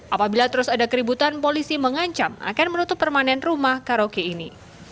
apabila terus ada keributan polisi mengancam akan menutup permanen rumah karaoke ini